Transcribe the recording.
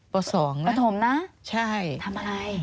ป่าว๒นะทำอะไรประถมนะใช่